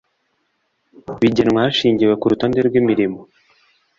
bigenwa hashingiwe ku rutonde rw imirimo